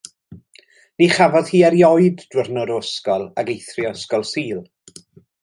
Ni chafodd hi erioed diwrnod o ysgol ac eithrio Ysgol Sul.